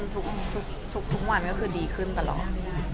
ทุกวันก็คือดีขึ้นตลอด